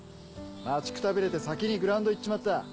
待ちくたびれて先にグラウンド行っちまった。